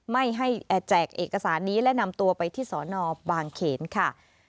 ไม่ให้แจกเอกสารนี้และนำตัวไปที่สอนอบางเขนค่ะ